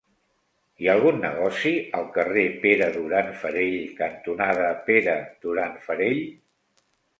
Hi ha algun negoci al carrer Pere Duran Farell cantonada Pere Duran Farell?